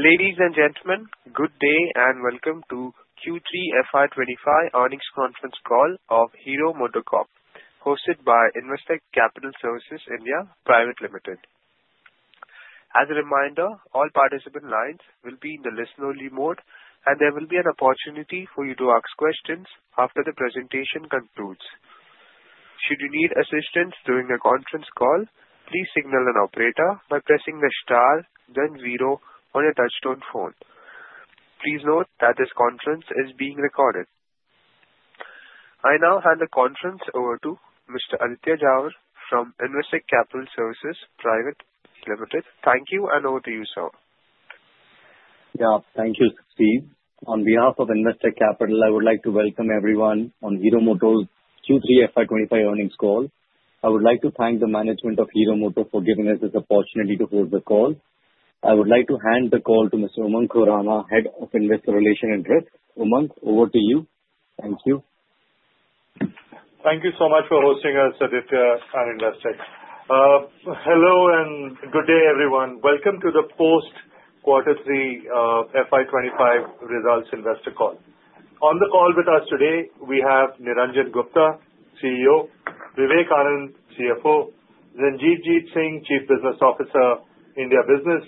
Ladies and gentlemen, good day and welcome to Q3 FY2025 Earnings Conference Call of Hero MotoCorp, hosted by Investec Capital Services India Pvt. Ltd. As a reminder, all participant lines will be in the listen-only mode, and there will be an opportunity for you to ask questions after the presentation concludes. Should you need assistance during a conference call, please signal an operator by pressing the star, then zero on your touch-tone phone. Please note that this conference is being recorded. I now hand the conference over to Mr. Aditya Jauhar from Investec Capital Services Pvt. Ltd. Thank you, and over to you, sir. Yeah, thank you, Sukhdeep. On behalf of Investec Capital, I would like to welcome everyone on Hero MotoCorp's Q3 FY2025 earnings call. I would like to thank the management of Hero MotoCorp for giving us this opportunity to hold the call. I would like to hand the call to Mr. Umang Khurana, Head of Investor Relations and Risk. Umang, over to you. Thank you. Thank you so much for hosting us, Aditya and Investec. Hello and good day, everyone. Welcome to the post-Quarter 3 FY2025 results investor call. On the call with us today, we have Niranjan Gupta, CEO, Vivek Anand, CFO, Ranjivjit Singh, Chief Business Officer, India Business,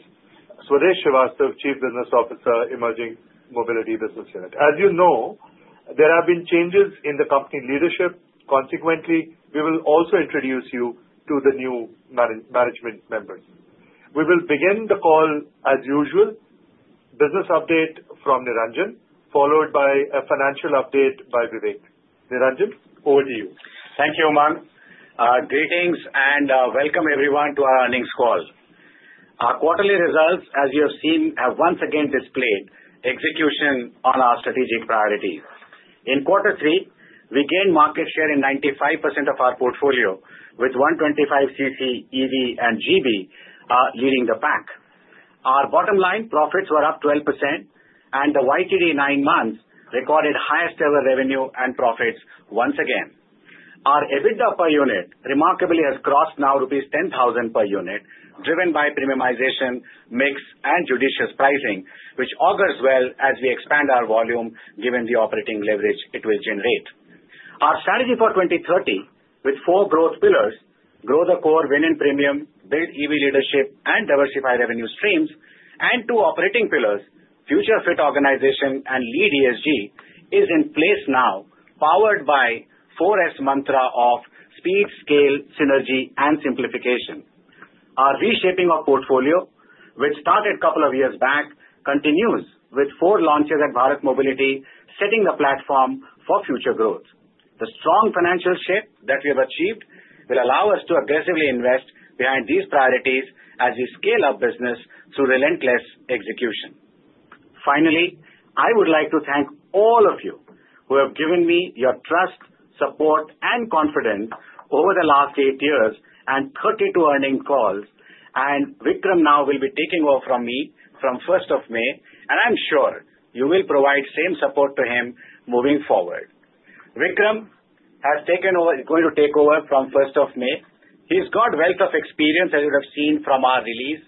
Swadesh Srivastava, Chief Business Officer, Emerging Mobility Business Unit. As you know, there have been changes in the company leadership. Consequently, we will also introduce you to the new management members. We will begin the call as usual, business update from Niranjan, followed by a financial update by Vivek. Niranjan, over to you. Thank you, Umang. Greetings and welcome, everyone, to our earnings call. Our quarterly results, as you have seen, have once again displayed execution on our strategic priorities. In Quarter 3, we gained market share in 95% of our portfolio, with 125cc EV and GB leading the pack. Our bottom line profits were up 12%, and the YTD nine months recorded highest-ever revenue and profits once again. Our EBITDA per unit remarkably has crossed now rupees 10,000 per unit, driven by premiumization, mix, and judicious pricing, which augurs well as we expand our volume given the operating leverage it will generate. Our strategy for 2030, with four growth pillars, grow the core, win in premium, build EV leadership, and diversify revenue streams, and two operating pillars, future fit organization and Lead ESG, is in place now, powered by 4S Mantra of speed, scale, synergy, and simplification. Our reshaping of portfolio, which started a couple of years back, continues with four launches at Bharat Mobility, setting the platform for future growth. The strong financial shape that we have achieved will allow us to aggressively invest behind these priorities as we scale our business through relentless execution. Finally, I would like to thank all of you who have given me your trust, support, and confidence over the last eight years and 32 earnings calls, and Vikram now will be taking over from me from 1st of May, and I'm sure you will provide the same support to him moving forward. He's got a wealth of experience, as you have seen from our release,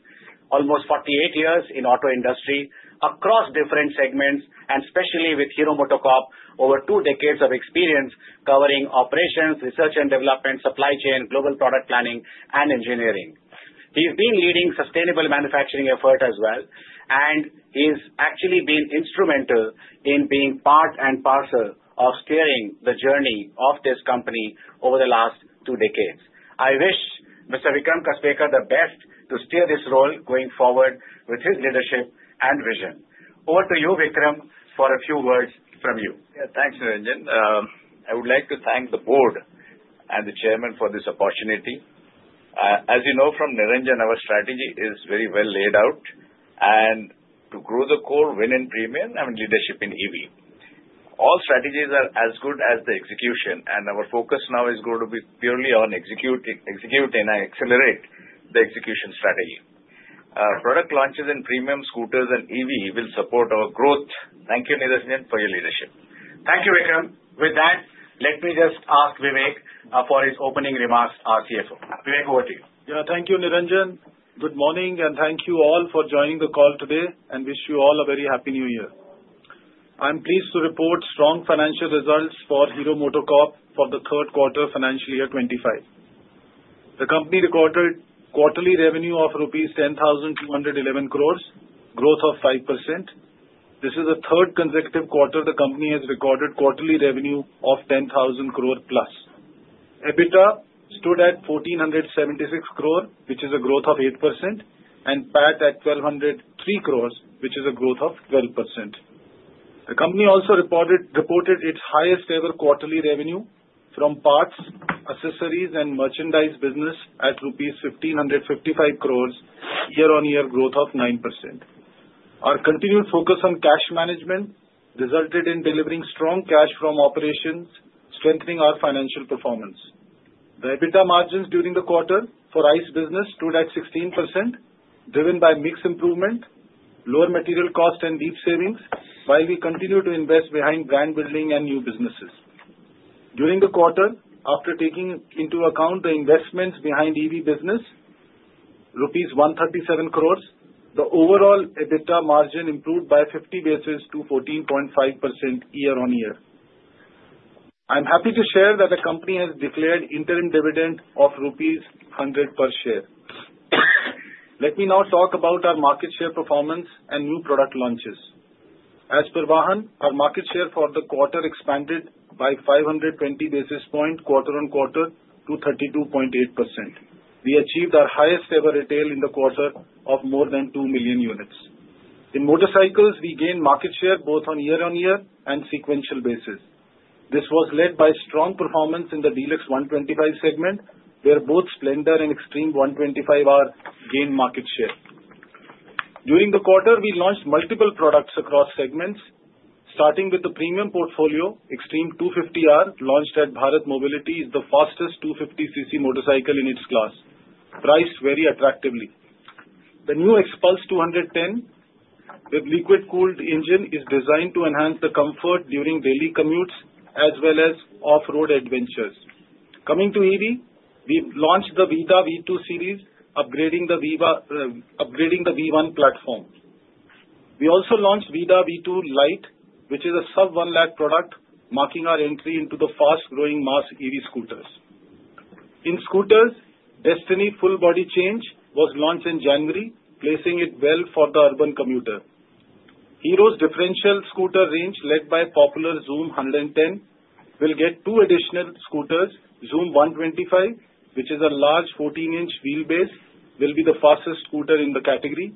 almost 48 years in the auto industry across different segments, and especially with Hero MotoCorp, over two decades of experience covering operations, research and development, supply chain, global product planning, and engineering. He's been leading the sustainable manufacturing effort as well, and he's actually been instrumental in being part and parcel of steering the journey of this company over the last two decades. I wish Mr. Vikram Kasbekar the best to steer this role going forward with his leadership and vision. Over to you, Vikram, for a few words from you. Yeah, thanks, Niranjan. I would like to thank the board and the chairman for this opportunity. As you know from Niranjan, our strategy is very well laid out, and to grow the core, win in premium, and leadership in EV. All strategies are as good as the execution, and our focus now is going to be purely on executing and accelerating the execution strategy. Product launches in premium scooters and EV will support our growth. Thank you, Niranjan, for your leadership. Thank you, Vikram. With that, let me just ask Vivek for his opening remarks, our CFO. Vivek, over to you. Yeah, thank you, Niranjan. Good morning, and thank you all for joining the call today, and wish you all a very happy New Year. I'm pleased to report strong financial results for Hero MotoCorp for the third quarter financial year 2025. The company recorded quarterly revenue of rupees 10,211 crores, growth of 5%. This is the third consecutive quarter the company has recorded quarterly revenue of 10,000 crore+. EBITDA stood at 1,476 crore, which is a growth of 8%, and PAT at 1,203 crore, which is a growth of 12%. The company also reported its highest-ever quarterly revenue from parts, accessories, and merchandise business at rupees 1,555 crores, year-on-year growth of 9%. Our continued focus on cash management resulted in delivering strong cash from operations, strengthening our financial performance. The EBITDA margins during the quarter for ICE business stood at 16%, driven by mixed improvement, lower material cost, and deep savings, while we continue to invest behind brand building and new businesses. During the quarter, after taking into account the investments behind EV business, rupees 137 crores, the overall EBITDA margin improved by 50 basis to 14.5% year-on-year. I'm happy to share that the company has declared interim dividend of rupees 100 per share. Let me now talk about our market share performance and new product launches. As per Vahan, our market share for the quarter expanded by 520 basis points quarter-on-quarter to 32.8%. We achieved our highest-ever retail in the quarter of more than two million units. In motorcycles, we gained market share both on year-on-year and sequential basis. This was led by strong performance in the DLX 125 segment, where both Splendor and Xtreme 125R gained market share. During the quarter, we launched multiple products across segments. Starting with the premium portfolio, Xtreme 250R, launched at Bharat Mobility, is the fastest 250cc motorcycle in its class, priced very attractively. The new XPulse 210 with liquid-cooled engine is designed to enhance the comfort during daily commutes as well as off-road adventures. Coming to EV, we launched the VIDA V2 series, upgrading the V1 platform. We also launched VIDA V2 Lite, which is a sub-1 lakh product, marking our entry into the fast-growing mass EV scooters. In scooters, Destini full-body change was launched in January, placing it well for the urban commuter. Hero's differential scooter range, led by popular Xoom 110, will get two additional scooters. Xoom 125, which is a large 14-inch wheelbase, will be the fastest scooter in the category.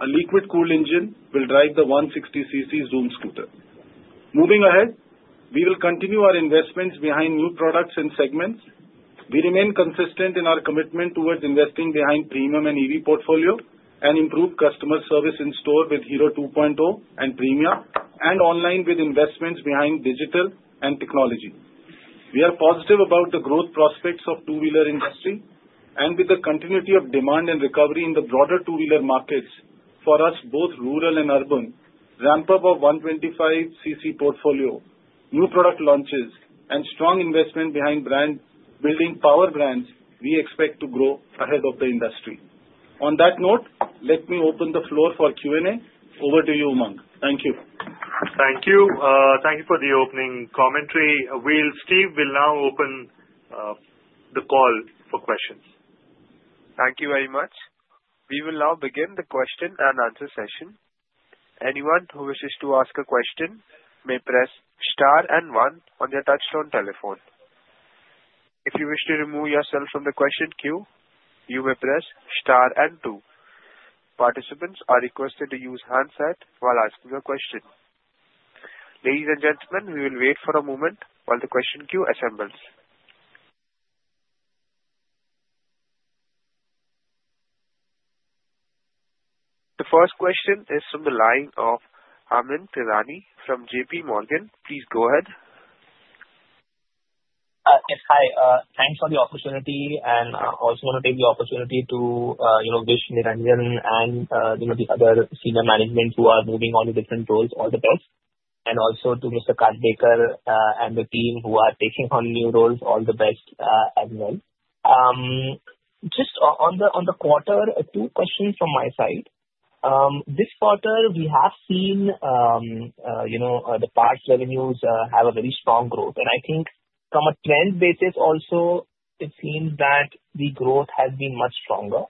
A liquid-cooled engine will drive the 160cc Xoom scooter. Moving ahead, we will continue our investments behind new products and segments. We remain consistent in our commitment towards investing behind premium and EV portfolio and improved customer service in store with Hero 2.0 and Premium, and online with investments behind digital and technology. We are positive about the growth prospects of the two-wheeler industry, and with the continuity of demand and recovery in the broader two-wheeler markets for us, both rural and urban, ramp-up of 125cc portfolio, new product launches, and strong investment behind brand-building power brands, we expect to grow ahead of the industry. On that note, let me open the floor for Q&A. Over to you, Umang. Thank you. Thank you. Thank you for the opening commentary. Sukhdeep, we'll now open the call for questions. Thank you very much. We will now begin the question and answer session. Anyone who wishes to ask a question may press star and one on your touch-tone telephone. If you wish to remove yourself from the question queue, you may press star and two. Participants are requested to use handset while asking a question. Ladies and gentlemen, we will wait for a moment while the question queue assembles. The first question is from the line of Amyn Pirani from J.P. Morgan. Please go ahead. Yes, hi. Thanks for the opportunity, and I also want to take the opportunity to wish Niranjan and the other senior management who are moving on to different roles all the best, and also to Mr. Kasbekar and the team who are taking on new roles all the best as well. Just on the quarter, two questions from my side. This quarter, we have seen the parts revenues have a very strong growth, and I think from a trend basis also, it seems that the growth has been much stronger.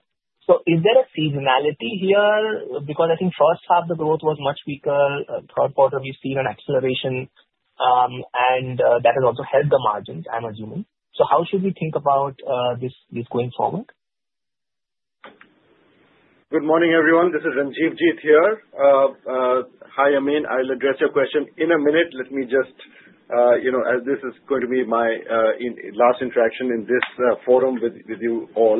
So is there a seasonality here? Because I think the first half of the growth was much weaker. Third quarter, we've seen an acceleration, and that has also helped the margins, I'm assuming. So how should we think about this going forward? Good morning, everyone. This is Ranjivjit here. Hi, Amyn. I'll address your question in a minute. Let me just, as this is going to be my last interaction in this forum with you all,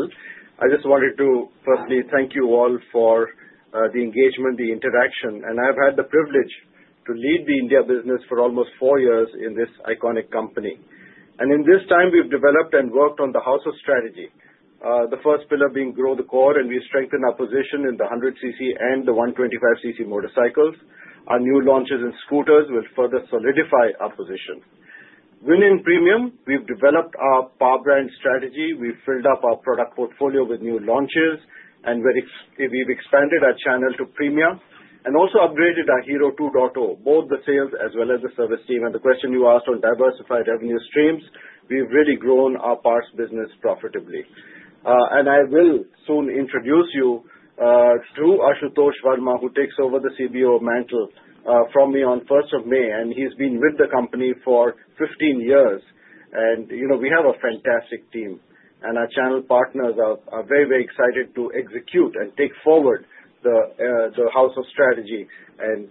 I just wanted to firstly thank you all for the engagement, the interaction, and I've had the privilege to lead the India business for almost four years in this iconic company, and in this time, we've developed and worked on the house of strategy, the first pillar being grow the core, and we strengthen our position in the 100 CC and the 125 CC motorcycles. Our new launches in scooters will further solidify our position. Within premium, we've developed our power brand strategy. We've filled up our product portfolio with new launches, and we've expanded our channel to premium and also upgraded our Hero 2.0, both the sales as well as the service team. And the question you asked on diversified revenue streams, we've really grown our parts business profitably. And I will soon introduce you to Ashutosh Varma, who takes over the CBO mantle from me on 1st of May, and he's been with the company for 15 years. And we have a fantastic team, and our channel partners are very, very excited to execute and take forward the house of strategy and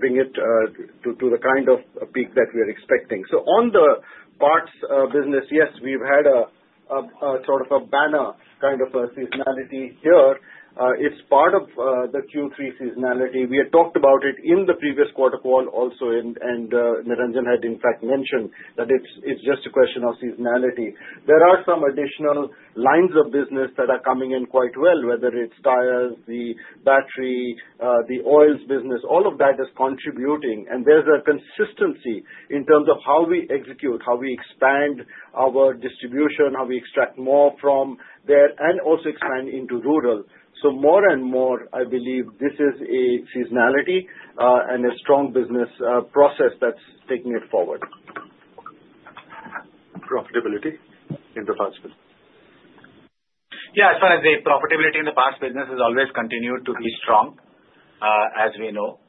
bring it to the kind of peak that we are expecting. So on the parts business, yes, we've had a sort of a banner kind of a seasonality here. It's part of the Q3 seasonality. We had talked about it in the previous quarter call also, and Niranjan had, in fact, mentioned that it's just a question of seasonality. There are some additional lines of business that are coming in quite well, whether it's tires, the battery, the oils business. All of that is contributing, and there's a consistency in terms of how we execute, how we expand our distribution, how we extract more from there, and also expand into rural. So more and more, I believe this is a seasonality and a strong business process that's taking it forward. Profitability in the parts business. Yeah, I'd say profitability in the parts business has always continued to be strong, as we know.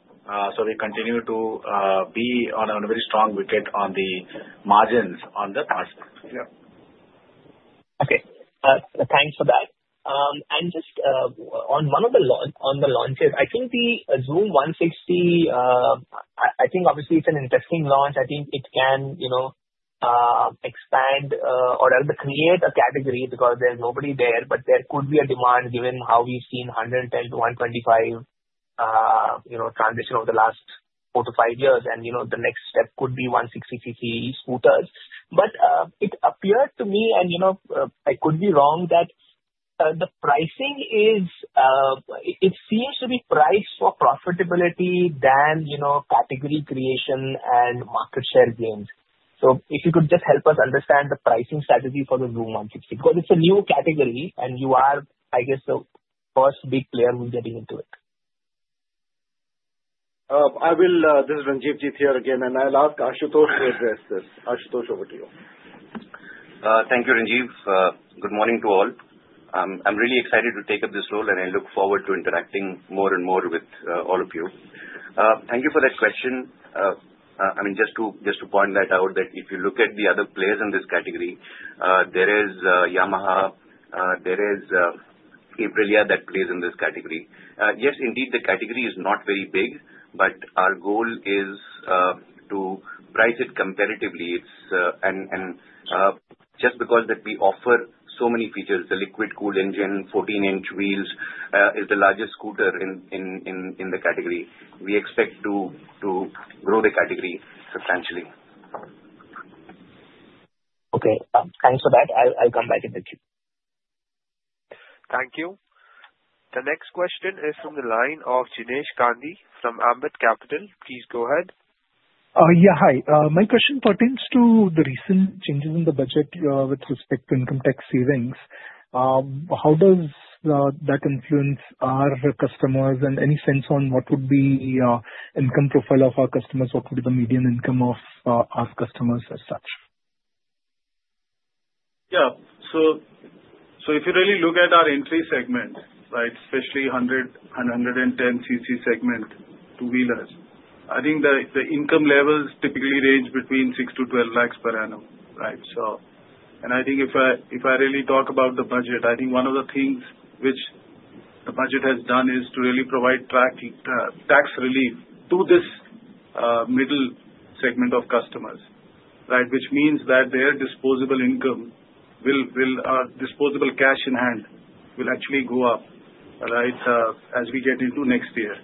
So we continue to be on a very strong wicket on the margins on the parts business. Okay. Thanks for that. And just on one of the launches, I think the Xoom 160, I think obviously it's an interesting launch. I think it can expand or create a category because there's nobody there, but there could be a demand given how we've seen 110 to 125 transition over the last four to five years, and the next step could be 160cc scooters. But it appeared to me, and I could be wrong, that the pricing is it seems to be priced for profitability than category creation and market share gains. So if you could just help us understand the pricing strategy for the Xoom 160, because it's a new category, and you are, I guess, the first big player who's getting into it. I'll. This is Ranjivjit here again, and I'll ask Ashutosh to address this. Ashutosh, over to you. Thank you, Ranjivjit. Good morning to all. I'm really excited to take up this role, and I look forward to interacting more and more with all of you. Thank you for that question. I mean, just to point that out, that if you look at the other players in this category, there is Yamaha, there is Aprilia that plays in this category. Yes, indeed, the category is not very big, but our goal is to price it comparatively. And just because we offer so many features, the liquid-cooled engine, 14-inch wheels, is the largest scooter in the category. We expect to grow the category substantially. Okay. Thanks for that. I'll come back in a bit. Thank you. The next question is from the line of Jinesh Gandhi from Ambit Capital. Please go ahead. Yeah, hi. My question pertains to the recent changes in the budget with respect to income tax savings. How does that influence our customers, and any sense on what would be the income profile of our customers? What would be the median income of our customers as such? Yeah. So if you really look at our entry segment, right, especially 100 and 110 CC segment two-wheelers, I think the income levels typically range between 6-12 lakhs per annum, right? And I think if I really talk about the budget, I think one of the things which the budget has done is to really provide tax relief to this middle segment of customers, right, which means that their disposable income, disposable cash in hand, will actually go up, right, as we get into next year.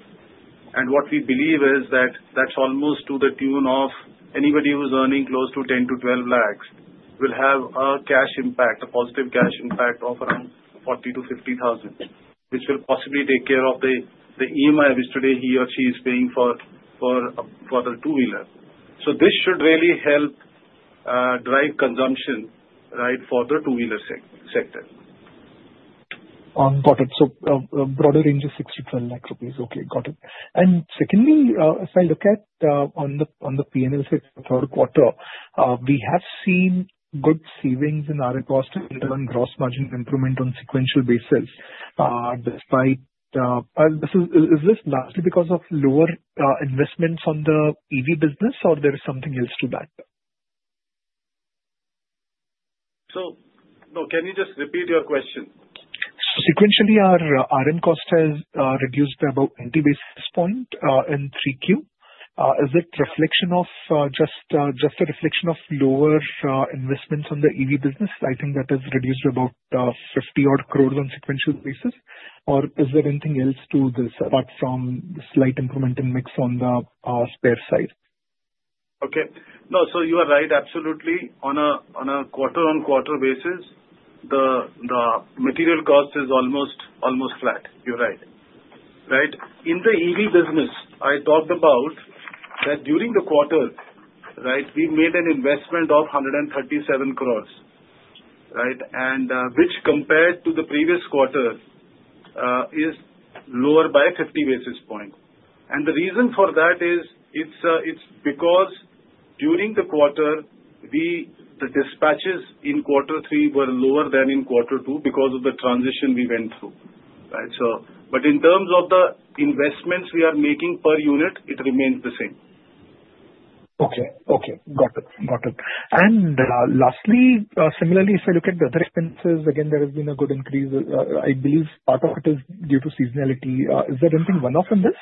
And what we believe is that that's almost to the tune of anybody who's earning close to 10-12 lakhs will have a cash impact, a positive cash impact of around 40-50 thousand, which will possibly take care of the EMI which today he or she is paying for the two-wheeler. So this should really help drive consumption, right, for the two-wheeler sector. Got it. So a broader range of 6-12 lakh rupees. Okay, got it. And secondly, if I look at on the P&L for the third quarter, we have seen good savings in our across total gross margin improvement on sequential basis. Is this largely because of lower investments on the EV business, or there is something else to that? No, can you just repeat your question? Sequentially, our RM cost has reduced by about 20 basis points in Q3. Is it just a reflection of lower investments on the EV business? I think that has reduced about 50-odd crores on sequential basis. Or is there anything else to this apart from the slight increment in mix on the spares side? Okay. No, so you are right. Absolutely. On a quarter-on-quarter basis, the material cost is almost flat. You're right. Right? In the EV business, I talked about that during the quarter, right? We made an investment of 137 crores, right, which compared to the previous quarter is lower by 50 basis points. And the reason for that is it's because during the quarter, the dispatches in quarter three were lower than in quarter two because of the transition we went through, right? But in terms of the investments we are making per unit, it remains the same. Okay. Got it. And lastly, similarly, if I look at the other expenses, again, there has been a good increase. I believe part of it is due to seasonality. Is there anything one-off in this?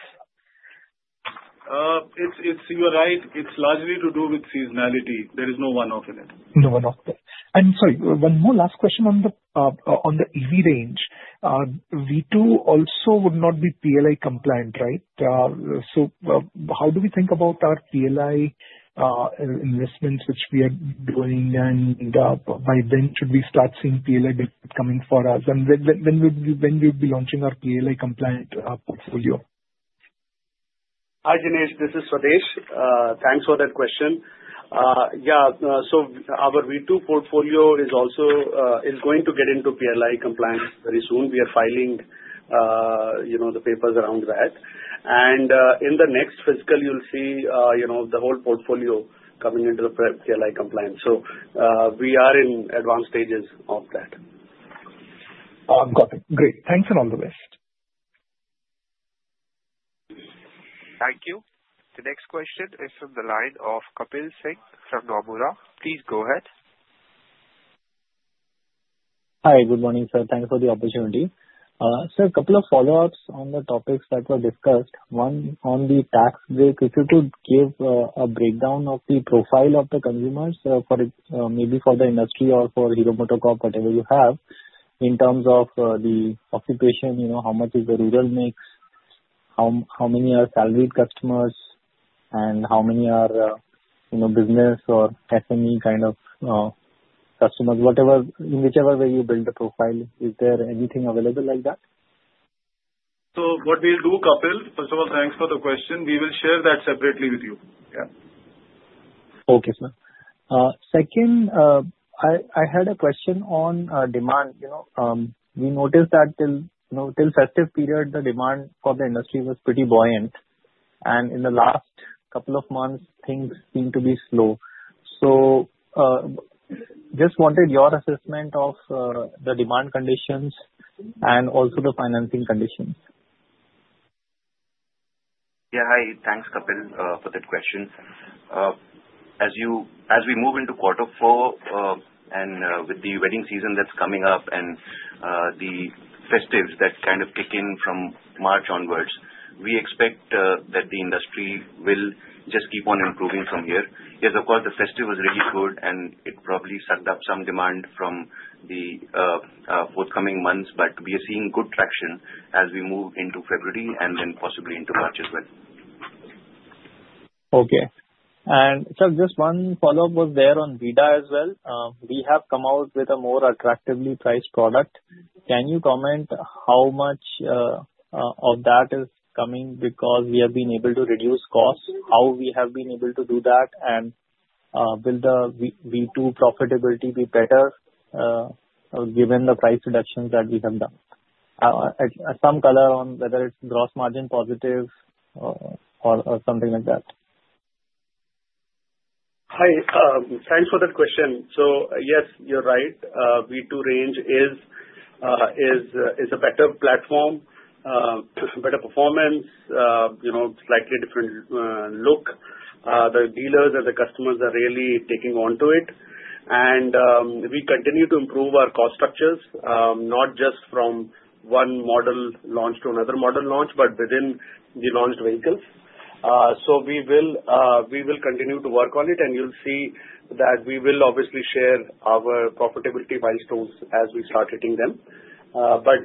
You're right. It's largely to do with seasonality. There is no one-off in it. No one-off. And sorry, one more last question on the EV range. V2 also would not be PLI compliant, right? So how do we think about our PLI investments which we are doing, and by when should we start seeing PLI coming for us? And when will we be launching our PLI compliant portfolio? Hi, Jinesh. This is Swadesh. Thanks for that question. Yeah. So our V2 portfolio is going to get into PLI compliance very soon. We are filing the papers around that. And in the next fiscal, you'll see the whole portfolio coming into the PLI compliance. So we are in advanced stages of that. Got it. Great. Thanks, and all the best. Thank you. The next question is from the line of Kapil Singh from Nomura. Please go ahead. Hi, good morning, sir. Thanks for the opportunity. Sir, a couple of follow-ups on the topics that were discussed. One on the tax bracket, if you could give a breakdown of the profile of the consumers, maybe for the industry or for Hero MotoCorp, whatever you have, in terms of the occupation, how much is the rural mix, how many are salaried customers, and how many are business or SME kind of customers, in whichever way you build the profile, is there anything available like that? What we'll do, Kapil, first of all, thanks for the question. We will share that separately with you. Yeah. Okay, sir. Second, I had a question on demand. We noticed that till festive period, the demand for the industry was pretty buoyant. And in the last couple of months, things seem to be slow. So just wanted your assessment of the demand conditions and also the financing conditions. Yeah, hi. Thanks, Kapil, for that question. As we move into quarter four and with the wedding season that's coming up and the festives that kind of kick in from March onwards, we expect that the industry will just keep on improving from here. Yes, of course, the festive was really good, and it probably sucked up some demand from the forthcoming months, but we are seeing good traction as we move into February and then possibly into March as well. Okay. And sir, just one follow-up was there on VIDA as well. We have come out with a more attractively priced product. Can you comment how much of that is coming because we have been able to reduce costs, how we have been able to do that, and will the V2 profitability be better given the price reductions that we have done? Some color on whether it's gross margin positive or something like that. Hi. Thanks for that question, so yes, you're right. V2 range is a better platform, better performance, slightly different look. The dealers and the customers are really taking to it. We continue to improve our cost structures, not just from one model launch to another model launch, but within the launched vehicles, so we will continue to work on it, and you'll see that we will obviously share our profitability milestones as we start hitting them, but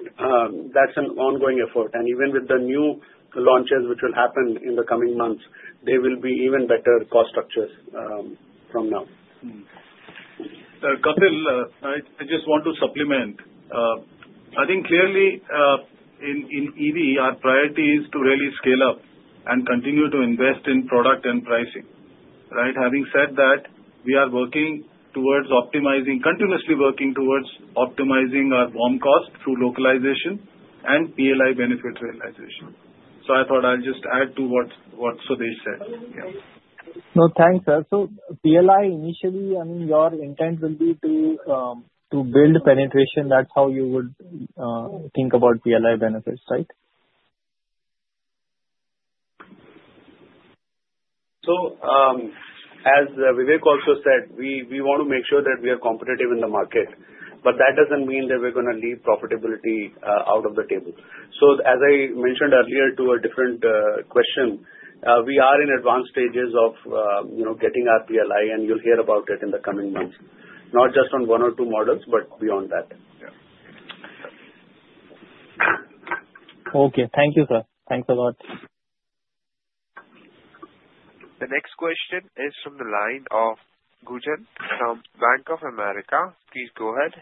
that's an ongoing effort. Even with the new launches which will happen in the coming months, they will be even better cost structures than now. Kapil, I just want to supplement. I think clearly in EV, our priority is to really scale up and continue to invest in product and pricing, right? Having said that, we are working towards optimizing, continuously working towards optimizing our BOM cost through localization and PLI benefit realization, so I thought I'll just add to what Swadesh said. No, thanks, sir. So PLI initially, I mean, your intent will be to build penetration. That's how you would think about PLI benefits, right? So as Vivek also said, we want to make sure that we are competitive in the market, but that doesn't mean that we're going to leave profitability out of the table. So as I mentioned earlier to a different question, we are in advanced stages of getting our PLI, and you'll hear about it in the coming months, not just on one or two models, but beyond that. Okay. Thank you, sir. Thanks a lot. The next question is from the line of Gunjan from Bank of America. Please go ahead.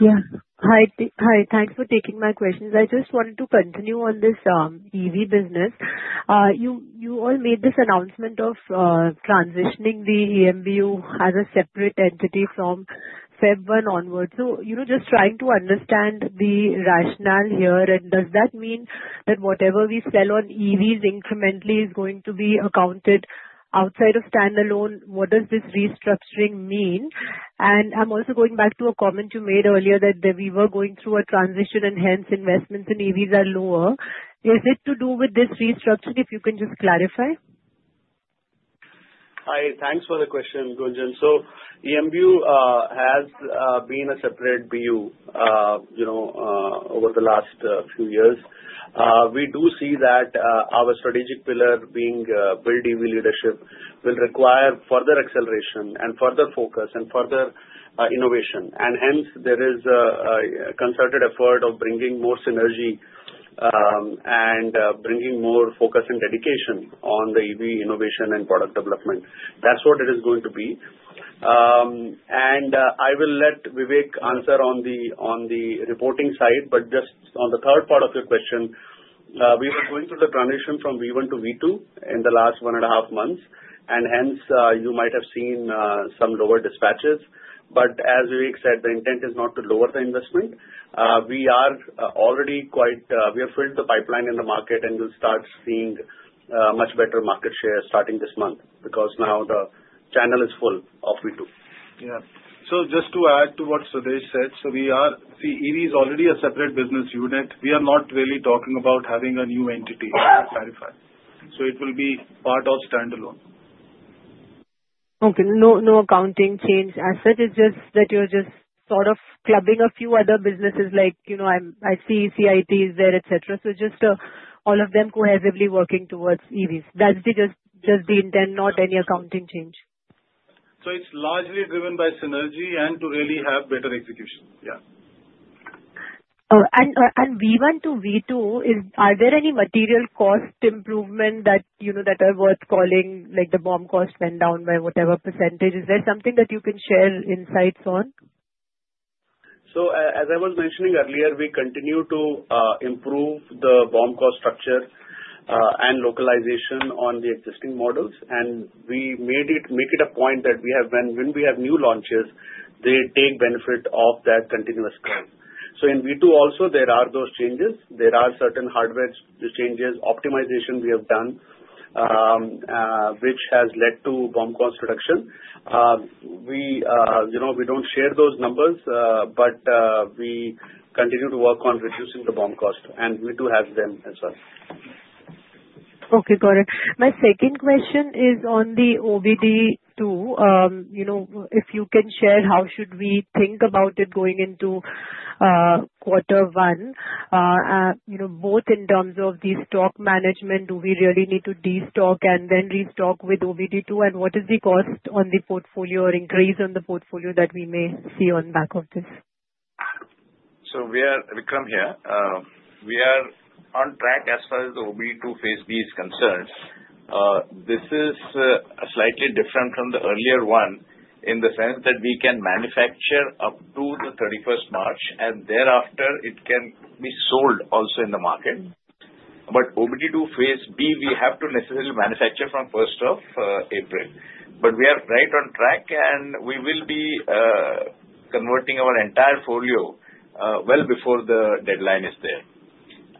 Yeah. Hi. Thanks for taking my questions. I just wanted to continue on this EV business. You all made this announcement of transitioning the EMBU as a separate entity from February 1 onwards. So just trying to understand the rationale here, and does that mean that whatever we sell on EVs incrementally is going to be accounted outside of standalone? What does this restructuring mean? And I'm also going back to a comment you made earlier that we were going through a transition, and hence investments in EVs are lower. Is it to do with this restructuring? If you can just clarify. Hi. Thanks for the question, Gunjan. So EMBU has been a separate BU over the last few years. We do see that our strategic pillar being to build EV leadership will require further acceleration and further focus and further innovation. And hence, there is a concerted effort of bringing more synergy and bringing more focus and dedication on the EV innovation and product development. That's what it is going to be. And I will let Vivek answer on the reporting side, but just on the third part of your question, we were going through the transition from V1 to V2 in the last one and a half months, and hence you might have seen some lower dispatches. But as Vivek said, the intent is not to lower the investment. We are already. We have filled the pipeline in the market, and you'll start seeing much better market share starting this month because now the channel is full of V2. Yeah. So just to add to what Swadesh said, EV is already a separate business unit. We are not really talking about having a new entity. Just to clarify. It will be part of standalone. Okay. No accounting change. I said it's just that you're just sort of clubbing a few other businesses like ICE, CIT there, etc. So just all of them cohesively working towards EVs. That's just the intent, not any accounting change. So it's largely driven by synergy and to really have better execution. Yeah. V1 to V2, are there any material cost improvement that are worth calling like the BOM cost went down by whatever percentage? Is there something that you can share insights on? So as I was mentioning earlier, we continue to improve the BOM cost structure and localization on the existing models, and we make it a point that when we have new launches, they take benefit of that continuous growth. So in V2 also, there are those changes. There are certain hardware changes, optimization we have done, which has led to BOM cost reduction. We don't share those numbers, but we continue to work on reducing the BOM cost, and V2 has them as well. Okay. Got it. My second question is on the OBD-2. If you can share how should we think about it going into quarter one, both in terms of the stock management, do we really need to destock and then restock with OBD-2, and what is the cost on the portfolio or increase on the portfolio that we may see on the back of this? So we come here. We are on track as far as the OBD-2 Phase B is concerned. This is slightly different from the earlier one in the sense that we can manufacture up to the 31st March, and thereafter, it can be sold also in the market. But OBD-2 Phase B, we have to necessarily manufacture from 1st of April. But we are right on track, and we will be converting our entire folio well before the deadline is there.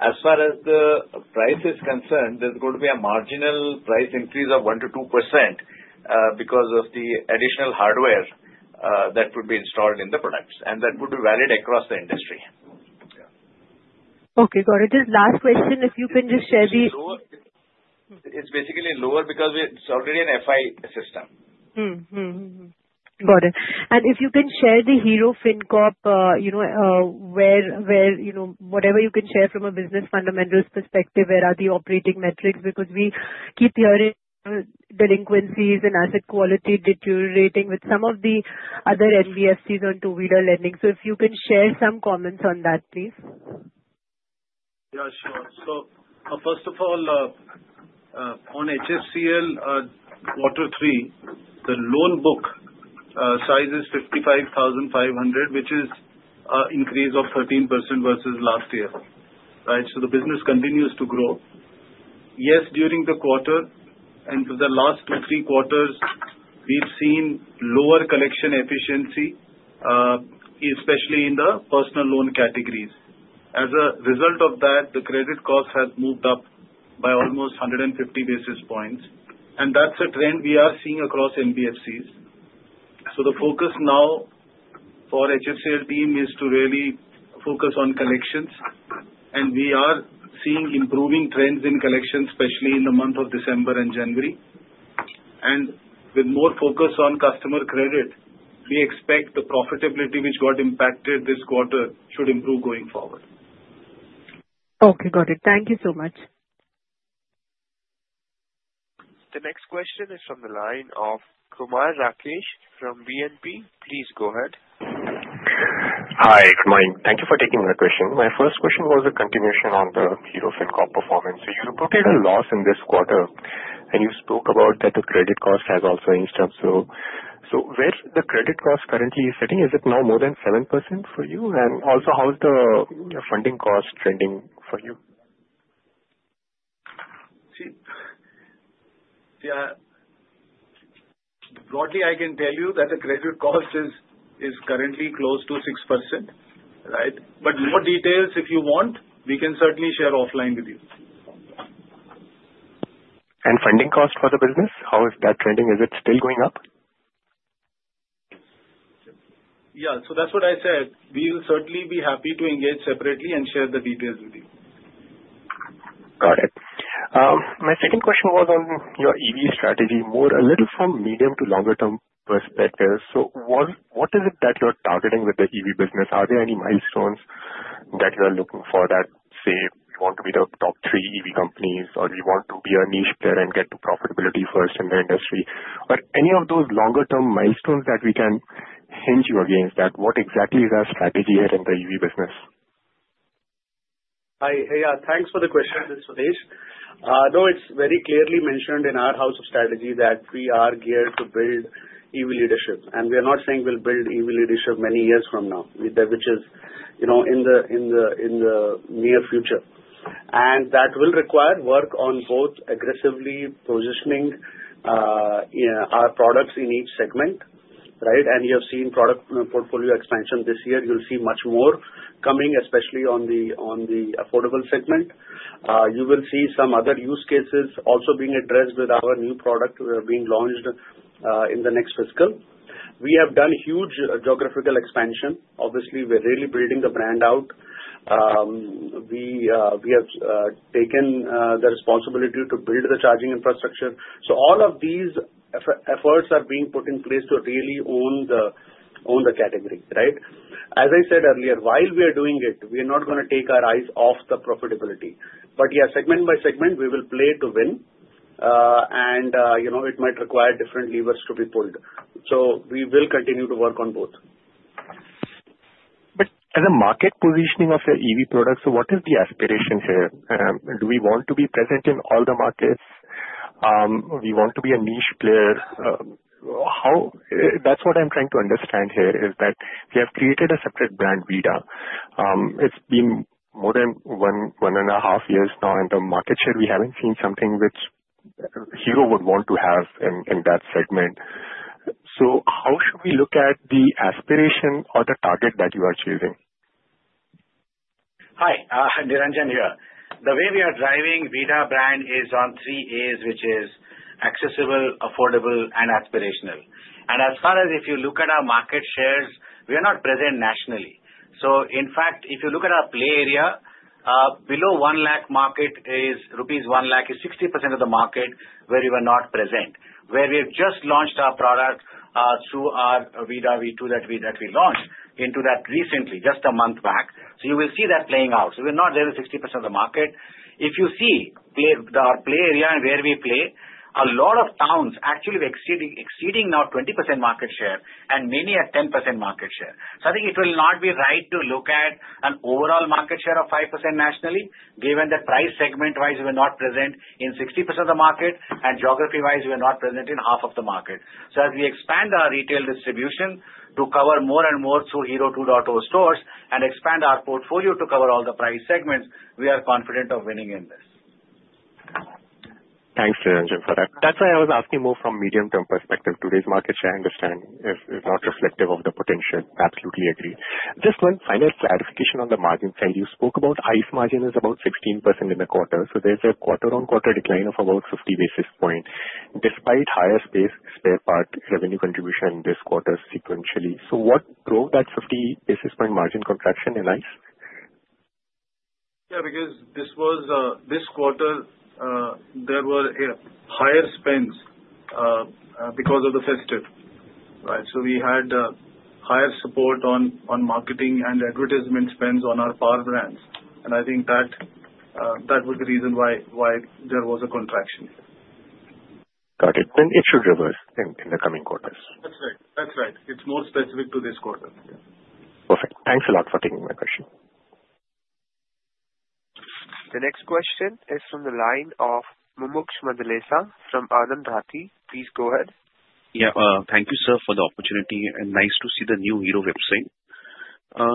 As far as the price is concerned, there's going to be a marginal price increase of 1%-2% because of the additional hardware that would be installed in the products, and that would be valid across the industry. Okay. Got it. Just last question. If you can just share the. It's lower. It's basically lower because it's already an FI system. Got it. And if you can share the Hero FinCorp, whatever you can share from a business fundamentals perspective, where are the operating metrics? Because we keep hearing delinquencies and asset quality deteriorating with some of the other NBFCs on two-wheeler lending. So if you can share some comments on that, please. Yeah, sure. So first of all, on Hero FinCorp quarter three, the loan book size is 55,500, which is an increase of 13% versus last year, right? So the business continues to grow. Yes, during the quarter, and for the last two, three quarters, we've seen lower collection efficiency, especially in the personal loan categories. As a result of that, the credit cost has moved up by almost 150 basis points, and that's a trend we are seeing across NBFCs. So the focus now for Hero FinCorp team is to really focus on collections, and we are seeing improving trends in collections, especially in the month of December and January, and with more focus on customer credit, we expect the profitability which got impacted this quarter should improve going forward. Okay. Got it. Thank you so much. The next question is from the line of Kumar Rakesh from BNP. Please go ahead. Hi, Kumar. Thank you for taking my question. My first question was a continuation on the Hero FinCorp performance. So you reported a loss in this quarter, and you spoke about that the credit cost has also increased. So where the credit cost currently is sitting, is it now more than 7% for you? And also, how's the funding cost trending for you? See, broadly, I can tell you that the credit cost is currently close to 6%, right? But more details, if you want, we can certainly share offline with you. Funding cost for the business, how is that trending? Is it still going up? Yeah. So that's what I said. We'll certainly be happy to engage separately and share the details with you. Got it. My second question was on your EV strategy, more a little from medium to longer-term perspective, so what is it that you're targeting with the EV business? Are there any milestones that you are looking for that say, we want to be the top three EV companies, or we want to be a niche player and get to profitability first in the industry? Are any of those longer-term milestones that we can hinge you against that? What exactly is our strategy here in the EV business? Yeah. Thanks for the question, Swadesh. No, it's very clearly mentioned in our house of strategy that we are geared to build EV leadership, and we are not saying we'll build EV leadership many years from now, which is in the near future, and that will require work on both aggressively positioning our products in each segment, right, and you have seen product portfolio expansion this year. You'll see much more coming, especially on the affordable segment. You will see some other use cases also being addressed with our new product being launched in the next fiscal. We have done huge geographical expansion. Obviously, we're really building the brand out. We have taken the responsibility to build the charging infrastructure, so all of these efforts are being put in place to really own the category, right? As I said earlier, while we are doing it, we are not going to take our eyes off the profitability. But yeah, segment by segment, we will play to win, and it might require different levers to be pulled. So we will continue to work on both. But, as a market positioning of your EV products, so what is the aspiration here? Do we want to be present in all the markets? We want to be a niche player. That's what I'm trying to understand here is that you have created a separate brand, VIDA. It's been more than one and a half years now, and the market share we haven't seen something which Hero would want to have in that segment. So how should we look at the aspiration or the target that you are chasing? Hi. Niranjan here. The way we are driving VIDA brand is on three A's, which is accessible, affordable, and aspirational. And as far as if you look at our market shares, we are not present nationally. So in fact, if you look at our play area, below one lakh market is rupees one lakh is 60% of the market where we were not present, where we have just launched our product through our VIDA V2 that we launched into that recently, just a month back. So you will see that playing out. So we're not there with 60% of the market. If you see our play area and where we play, a lot of towns actually exceeding now 20% market share, and many are 10% market share. So I think it will not be right to look at an overall market share of 5% nationally, given that price segment-wise, we're not present in 60% of the market, and geography-wise, we're not present in half of the market. So as we expand our retail distribution to cover more and more through Hero 2.0 stores and expand our portfolio to cover all the price segments, we are confident of winning in this. Thanks, Niranjan, for that. That's why I was asking more from medium-term perspective. Today's market share understanding is not reflective of the potential. Absolutely agree. Just one final clarification on the margin side. You spoke about ICE margin is about 16% in the quarter. So there's a quarter-on-quarter decline of about 50 basis points despite higher spare part revenue contribution this quarter sequentially. So what drove that 50 basis point margin contraction in ICE? Yeah. Because this quarter, there were higher spends because of the festival, right? So we had higher support on marketing and advertisement spends on our power brands. And I think that was the reason why there was a contraction. Got it. And it should reverse in the coming quarters. That's right. That's right. It's more specific to this quarter. Perfect. Thanks a lot for taking my question. The next question is from the line of Mumuksh Mandlesha from Anand Rathi. Please go ahead. Yeah. Thank you, sir, for the opportunity. And nice to see the new Hero website.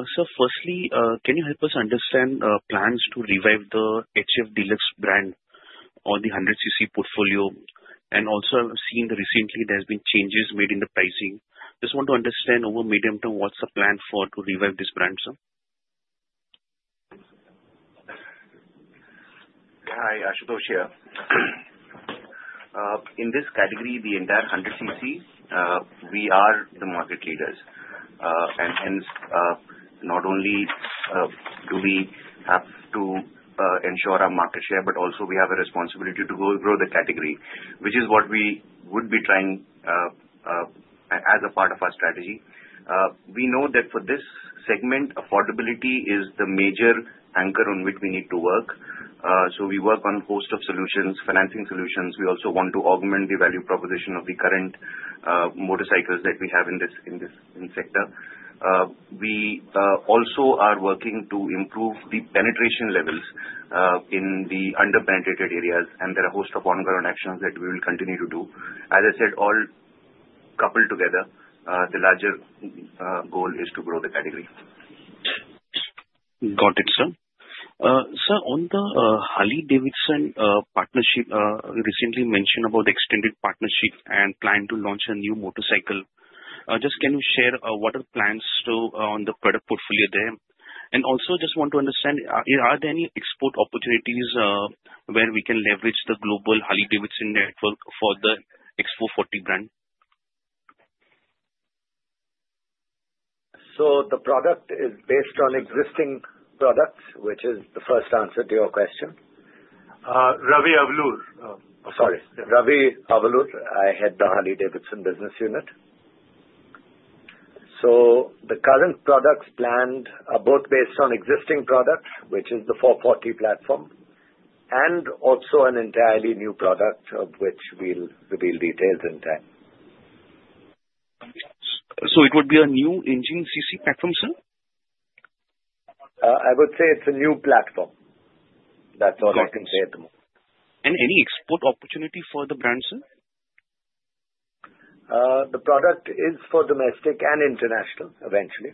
Sir, firstly, can you help us understand plans to revive the HF Deluxe brand on the 100cc portfolio? And also, I've seen recently there's been changes made in the pricing. Just want to understand over medium term, what's the plan for to revive this brand, sir? Yeah. I should go here. In this category, the entire 100cc, we are the market leaders, and hence, not only do we have to ensure our market share, but also we have a responsibility to grow the category, which is what we would be trying as a part of our strategy. We know that for this segment, affordability is the major anchor on which we need to work, so we work on host of solutions, financing solutions. We also want to augment the value proposition of the current motorcycles that we have in this sector. We also are working to improve the penetration levels in the under-penetrated areas, and there are a host of ongoing actions that we will continue to do. As I said, all coupled together, the larger goal is to grow the category. Got it, sir. Sir, on the Harley-Davidson partnership, you recently mentioned about the extended partnership and plan to launch a new motorcycle. Just can you share what are the plans on the product portfolio there? And also, just want to understand, are there any export opportunities where we can leverage the global Harley-Davidson network for the X440 brand? The product is based on existing products, which is the first answer to your question. Ravi Avalur, I head the Harley-Davidson business unit. The current products planned are both based on existing products, which is the 440 platform, and also an entirely new product, of which we'll reveal details in time. So it would be a new engine CC platform, sir? I would say it's a new platform. That's all I can say at the moment. Any export opportunity for the brand, sir? The product is for domestic and international, eventually.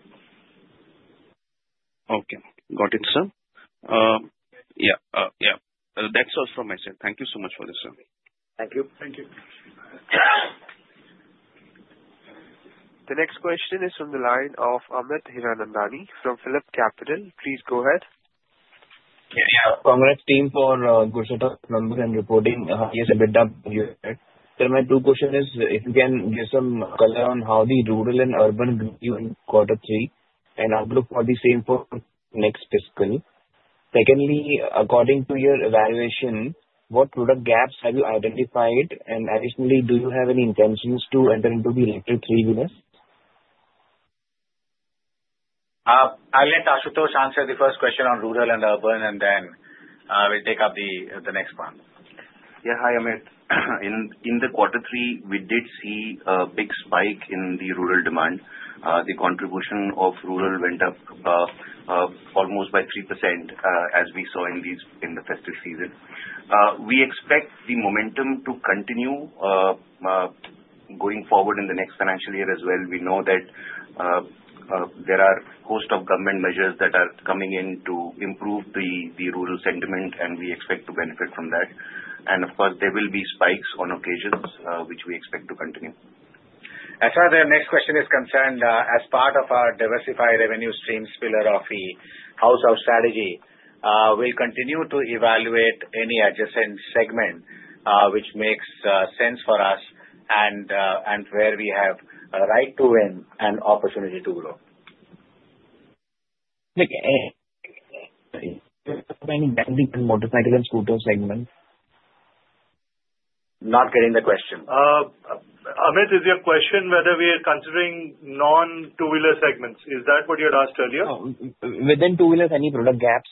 Okay. Got it, sir. Yeah. Yeah. That's all from my side. Thank you so much for this, sir. Thank you. Thank you. The next question is from the line of Amit Hiranandani from Phillip Capital. Please go ahead. Congrats team for good set of numbers and reporting. Sir, my two questions is if you can give some color on how the rural and urban grew in quarter three and outlook for the same for next fiscal. Secondly, according to your evaluation, what product gaps have you identified? And additionally, do you have any intentions to enter into the electric three wheelers? I'll let Ashutosh answer the first question on rural and urban, and then we'll take up the next one. Yeah. Hi, Amit. In the quarter three, we did see a big spike in the rural demand. The contribution of rural went up almost by 3% as we saw in the festive season. We expect the momentum to continue going forward in the next financial year as well. We know that there are a host of government measures that are coming in to improve the rural sentiment, and we expect to benefit from that. And of course, there will be spikes on occasions, which we expect to continue. As far as our next question is concerned, as part of our diversified revenue stream pillar of the house of strategy, we'll continue to evaluate any adjacent segment which makes sense for us and where we have a right to win and opportunity to grow. Okay. Is there any bank in motorcycle and scooter segment? Not getting the question. Amit, is your question whether we are considering non-two-wheeler segments? Is that what you had asked earlier? No. Within two-wheelers, any product gaps?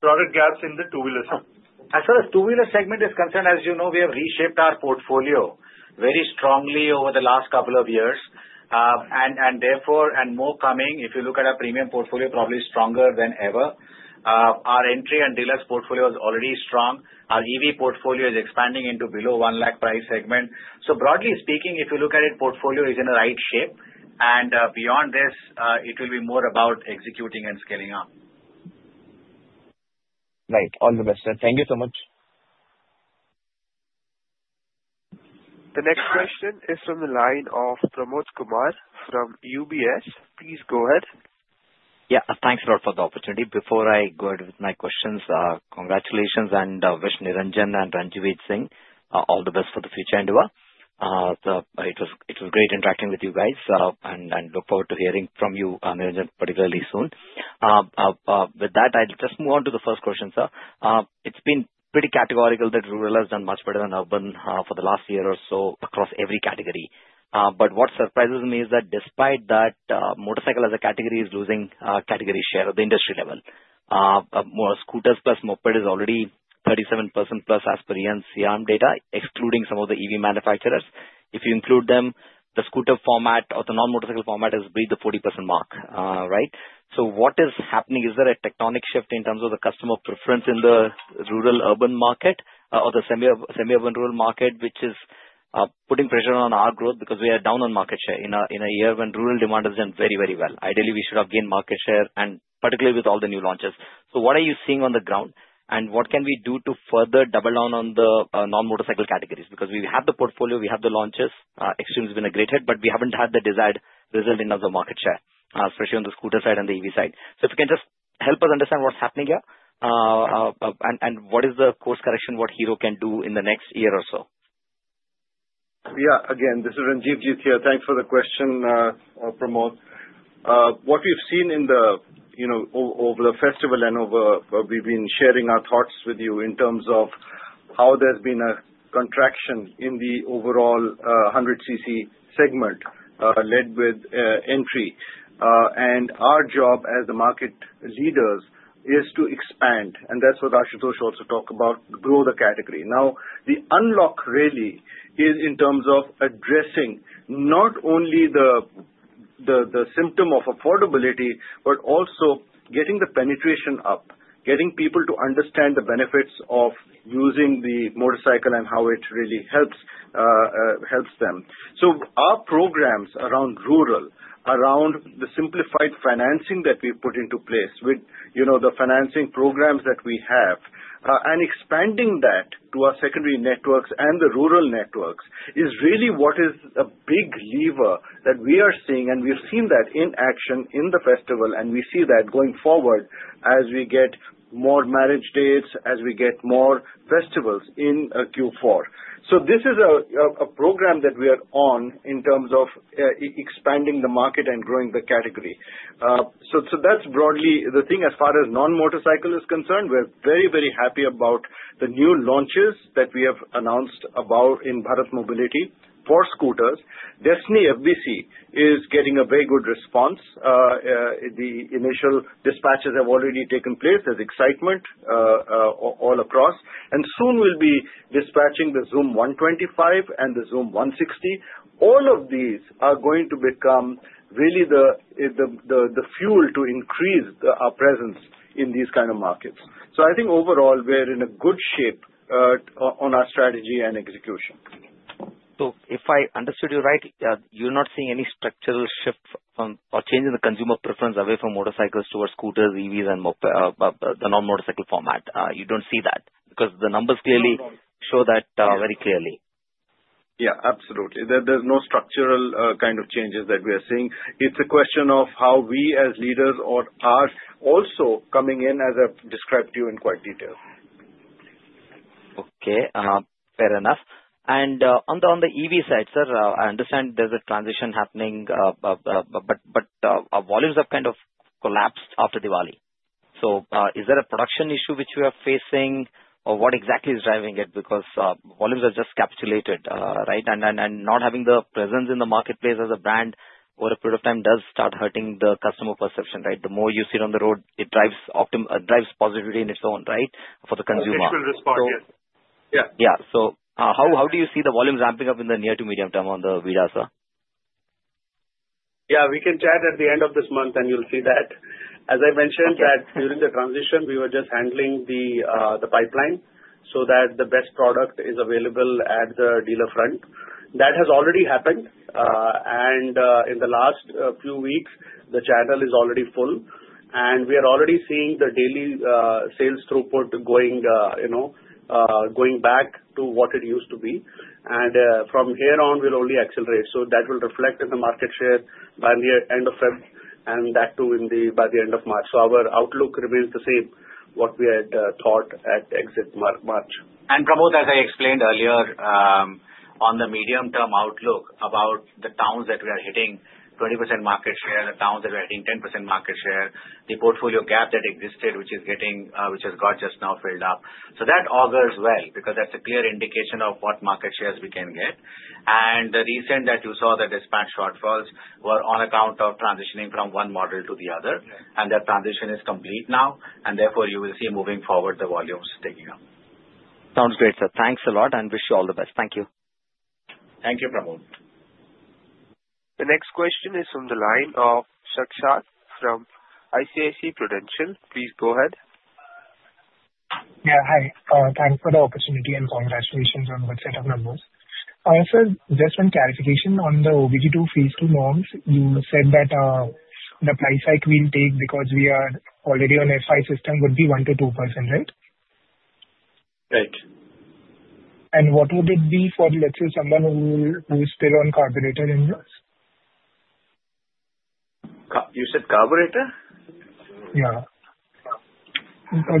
Product gaps in the two-wheeler segment. As far as two-wheeler segment is concerned, as you know, we have reshaped our portfolio very strongly over the last couple of years, and therefore, and more coming, if you look at our premium portfolio, probably stronger than ever. Our entry and Deluxe portfolio is already strong. Our EV portfolio is expanding into below one lakh price segment, so broadly speaking, if you look at it, portfolio is in the right shape, and beyond this, it will be more about executing and scaling up. Right. All the best, sir. Thank you so much. The next question is from the line of Pramod Kumar from UBS. Please go ahead. Yeah. Thanks a lot for the opportunity. Before I go ahead with my questions, congratulations and wish Niranjan and Ranjivjit Singh all the best for the future, and you all. It was great interacting with you guys, and look forward to hearing from you, Niranjan, particularly soon. With that, I'll just move on to the first question, sir. It's been pretty categorical that rural has done much better than urban for the last year or so across every category. But what surprises me is that despite that, motorcycle as a category is losing category share at the industry level. Scooters plus moped is already 37%+ as per SIAM data, excluding some of the EV manufacturers. If you include them, the scooter format or the non-motorcycle format has breached the 40% mark, right? So what is happening? Is there a tectonic shift in terms of the customer preference in the rural-urban market or the semi-urban-rural market, which is putting pressure on our growth because we are down on market share in a year when rural demand has done very, very well? Ideally, we should have gained market share, and particularly with all the new launches. So what are you seeing on the ground? And what can we do to further double down on the non-motorcycle categories? Because we have the portfolio, we have the launches. Xtreme has been a great hit, but we haven't had the desired result in terms of market share, especially on the scooter side and the EV side. So if you can just help us understand what's happening here and what is the course correction, what Hero can do in the next year or so? Yeah. Again, this is Ranjivjit here. Thanks for the question, Pramod. What we've seen over the festival and over we've been sharing our thoughts with you in terms of how there's been a contraction in the overall 100cc segment led with entry, and our job as the market leaders is to expand, and that's what Ashutosh also talked about, grow the category. Now, the unlock really is in terms of addressing not only the symptom of affordability, but also getting the penetration up, getting people to understand the benefits of using the motorcycle and how it really helps them. So our programs around rural, around the simplified financing that we've put into place with the financing programs that we have, and expanding that to our secondary networks and the rural networks is really what is a big lever that we are seeing. We've seen that in action in the festival, and we see that going forward as we get more marriage dates, as we get more festivals in Q4. This is a program that we are on in terms of expanding the market and growing the category. That's broadly the thing. As far as non-motorcycle is concerned, we're very, very happy about the new launches that we have announced about in Bharat Mobility for scooters. Destini FBC is getting a very good response. The initial dispatches have already taken place. There's excitement all across. Soon we'll be dispatching the Xoom 125 and the Xoom 160. All of these are going to become really the fuel to increase our presence in these kind of markets. I think overall, we're in a good shape on our strategy and execution. So if I understood you right, you're not seeing any structural shift or change in the consumer preference away from motorcycles towards scooters, EVs, and the non-motorcycle format. You don't see that because the numbers clearly show that very clearly. Yeah. Absolutely. There's no structural kind of changes that we are seeing. It's a question of how we as leaders are also coming in as I've described to you in quite detail. Okay. Fair enough. And on the EV side, sir, I understand there's a transition happening, but our volumes have kind of collapsed after Diwali. So is there a production issue which you are facing, or what exactly is driving it? Because volumes are just capitulated, right? And not having the presence in the marketplace as a brand over a period of time does start hurting the customer perception, right? The more you see it on the road, it drives positivity in its own, right, for the consumer. Mutual response, yes. Yeah. Yeah, so how do you see the volumes ramping up in the near to medium term on the VIDA, sir? Yeah. We can chat at the end of this month, and you'll see that. As I mentioned, during the transition, we were just handling the pipeline so that the best product is available at the dealer front. That has already happened. And in the last few weeks, the channel is already full. And we are already seeing the daily sales throughput going back to what it used to be. And from here on, we'll only accelerate. So that will reflect in the market share by the end of February and that too by the end of March. So our outlook remains the same, what we had thought at exit March. Pramod, as I explained earlier on the medium-term outlook about the towns that we are hitting 20% market share, the towns that we are hitting 10% market share, the portfolio gap that existed, which has got just now filled up. So that augurs well because that's a clear indication of what market shares we can get. And the recent that you saw, the dispatch shortfalls were on account of transitioning from one model to the other. And that transition is complete now. And therefore, you will see moving forward, the volumes taking up. Sounds great, sir. Thanks a lot, and wish you all the best. Thank you. Thank you, Pramod. The next question is from the line of Saksham from ICICI Prudential. Please go ahead. Yeah. Hi. Thanks for the opportunity and congratulations on the set of numbers. Also, just one clarification on the OBD-2 Phase B norms. You said that the price hike we'll take because we are already on FI system would be 1%-2%, right? Right. What would it be for, let's say, someone who's still on carburetor engines? You said carburetor? Yeah. No,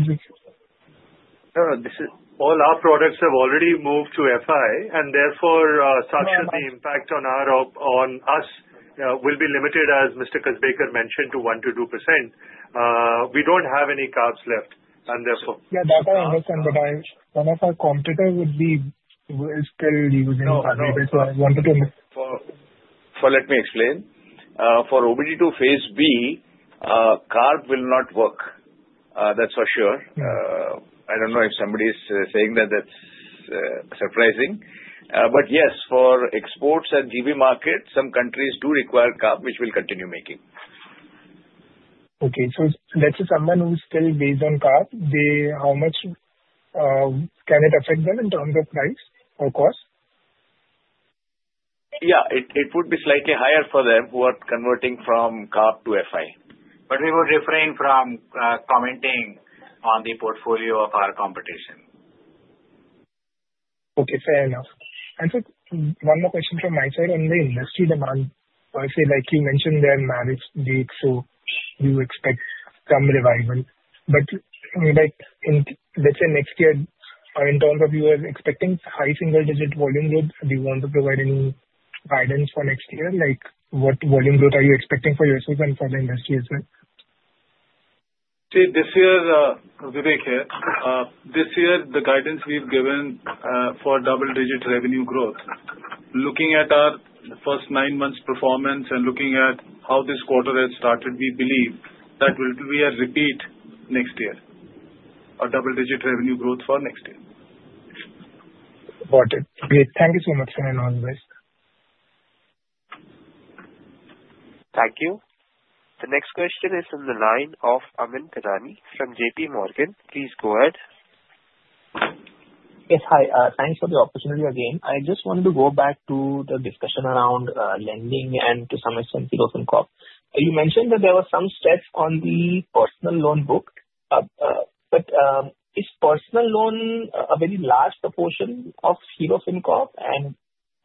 this is. All our products have already moved to FI. And therefore, Saksham, the impact on us will be limited, as Mr. Kasbekar mentioned, to 1%-2%. We don't have any carbs left. And therefore. Yeah. That I understand. But one of our competitors would be still using carburetors. So I wanted to. So let me explain. For OBD-2 Phase B, carb will not work. That's for sure. I don't know if somebody is saying that that's surprising. But yes, for exports and GB market, some countries do require carb, which we'll continue making. Okay. So let's say someone who's still based on carb, how much can it affect them in terms of price or cost? Yeah. It would be slightly higher for them who are converting from carb to FI. But we were refraining from commenting on the portfolio of our competition. Okay. Fair enough. And one more question from my side on the industry demand. Obviously, like you mentioned, there are marriage dates, so you expect some revival. But let's say next year, in terms of you expecting high single-digit volume growth, do you want to provide any guidance for next year? What volume growth are you expecting for yourself and for the industry as well? This year, Vivek here. This year, the guidance we've given for double-digit revenue growth, looking at our first nine months' performance and looking at how this quarter has started, we believe that will be a repeat next year, a double-digit revenue growth for next year. Got it. Great. Thank you so much, sir, and all the best. Thank you. The next question is from the line of Amyn Pirani from J.P. Morgan. Please go ahead. Yes. Hi. Thanks for the opportunity again. I just wanted to go back to the discussion around lending and to some extent Hero FinCorp. You mentioned that there were some steps on the personal loan book. But is personal loan a very large proportion of Hero FinCorp? And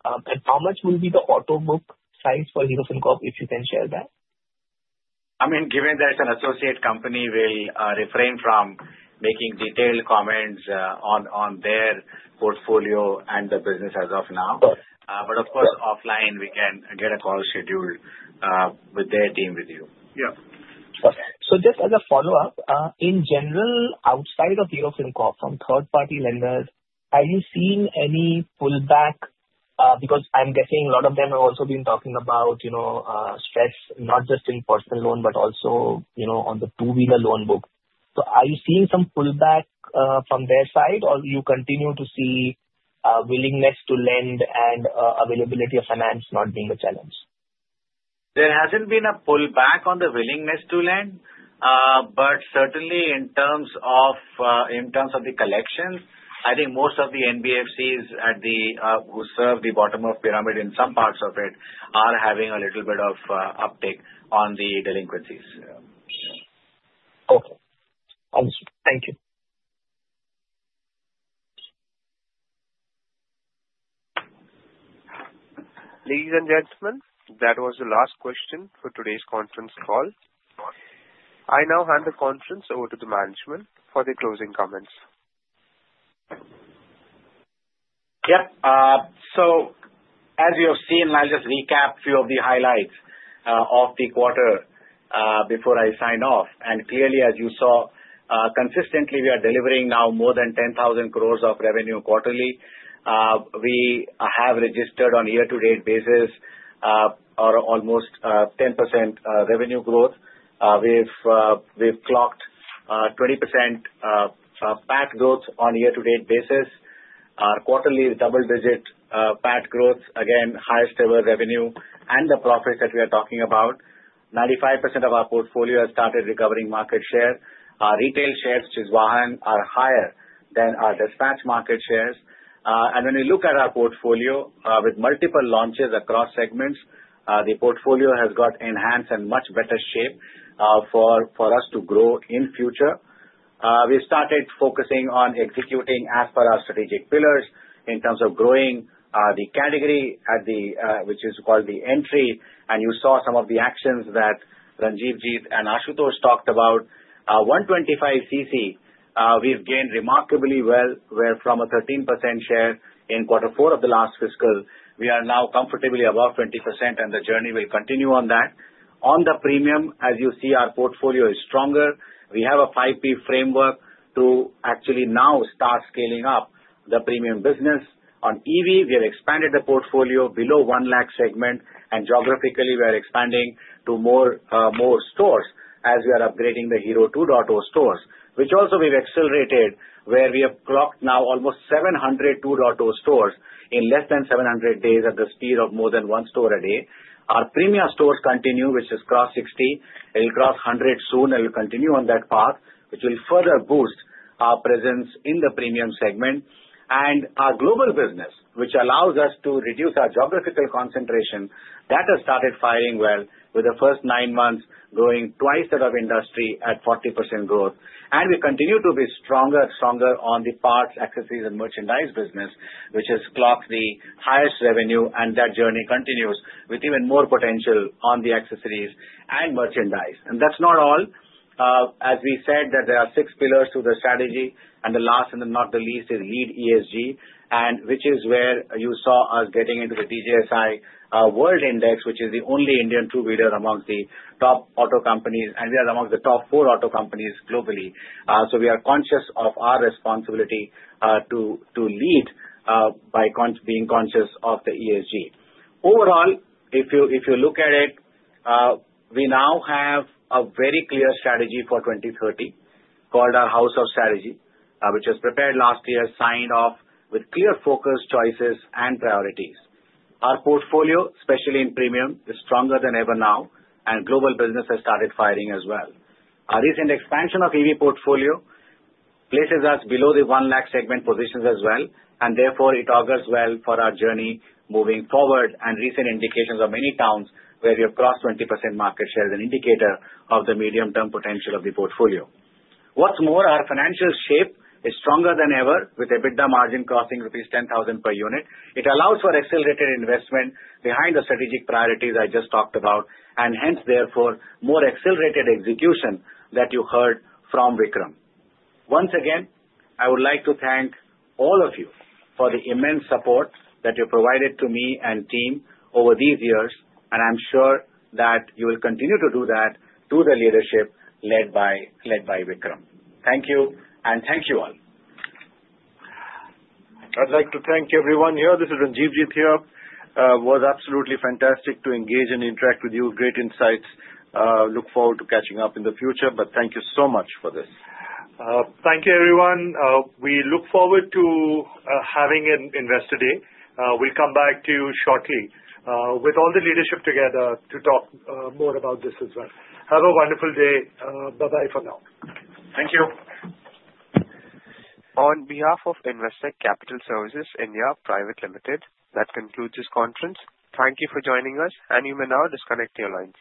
how much will be the auto book size for Hero FinCorp, if you can share that? I mean, given that an associate company will refrain from making detailed comments on their portfolio and the business as of now. But of course, offline, we can get a call scheduled with their team with you. Yeah. So just as a follow-up, in general, outside of Hero FinCorp, from third-party lenders, are you seeing any pullback? Because I'm guessing a lot of them have also been talking about stress, not just in personal loan, but also on the two-wheeler loan book. So are you seeing some pullback from their side, or you continue to see willingness to lend and availability of finance not being a challenge? There hasn't been a pullback on the willingness to lend. But certainly, in terms of the collections, I think most of the NBFCs who serve the bottom of the pyramid in some parts of it are having a little bit of uptick on the delinquencies. Okay. Thank you. Ladies and gentlemen, that was the last question for today's conference call. I now hand the conference over to the management for the closing comments. Yeah. So, as you have seen, I'll just recap a few of the highlights of the quarter before I sign off. Clearly, as you saw, consistently, we are delivering now more than 10,000 crores of revenue quarterly. We have registered on year-to-date basis almost 10% revenue growth. We've clocked 20% PAT growth on year-to-date basis. Our quarterly double-digit PAT growth, again, highest-ever revenue, and the profits that we are talking about, 95% of our portfolio has started recovering market share. Our retail shares, which is Vahan, are higher than our dispatch market shares, and when we look at our portfolio with multiple launches across segments, the portfolio has got enhanced and much better shape for us to grow in future. We started focusing on executing as per our strategic pillars in terms of growing the category, which is called the entry. You saw some of the actions that Ranjivjit and Ashutosh talked about. 125cc, we've gained remarkably well. We're from a 13% share in quarter four of the last fiscal. We are now comfortably above 20%, and the journey will continue on that. On the premium, as you see, our portfolio is stronger. We have a 5P framework to actually now start scaling up the premium business. On EV, we have expanded the portfolio below 1 lakh segment. Geographically, we are expanding to more stores as we are upgrading the Hero 2.0 stores, which also we've accelerated, where we have clocked now almost 700 2.0 stores in less than 700 days at the speed of more than one store a day. Our premium stores continue, which is across 60. It'll cross 100 soon, and we'll continue on that path, which will further boost our presence in the premium segment. Our global business, which allows us to reduce our geographical concentration, that has started firing well with the first nine months growing twice that of industry at 40% growth. And we continue to be stronger and stronger on the parts, accessories, and merchandise business, which has clocked the highest revenue. And that journey continues with even more potential on the accessories and merchandise. And that's not all. As we said, there are six pillars to the strategy. And the last and not the least is lead ESG, which is where you saw us getting into the DJSI World Index, which is the only Indian two-wheeler among the top auto companies. And we are among the top four auto companies globally. So we are conscious of our responsibility to lead by being conscious of the ESG. Overall, if you look at it, we now have a very clear strategy for 2030 called our House of Strategy, which was prepared last year, signed off with clear focus, choices, and priorities. Our portfolio, especially in premium, is stronger than ever now. And global business has started firing as well. Our recent expansion of EV portfolio places us below the 1 lakh segment positions as well. And therefore, it augurs well for our journey moving forward. And recent indications of many towns where we have crossed 20% market share is an indicator of the medium-term potential of the portfolio. What's more, our financial shape is stronger than ever, with EBITDA margin crossing rupees 10,000 per unit. It allows for accelerated investment behind the strategic priorities I just talked about, and hence, therefore, more accelerated execution that you heard from Vikram. Once again, I would like to thank all of you for the immense support that you provided to me and team over these years. And I'm sure that you will continue to do that to the leadership led by Vikram. Thank you. And thank you all. I'd like to thank everyone here. This is Ranjivjit here. It was absolutely fantastic to engage and interact with you. Great insights. Look forward to catching up in the future. But thank you so much for this. Thank you, everyone. We look forward to having an investor day. We'll come back to you shortly with all the leadership together to talk more about this as well. Have a wonderful day. Bye-bye for now. Thank you. On behalf of Investec Capital Services India Private Limited, that concludes this conference. Thank you for joining us, and you may now disconnect your lines.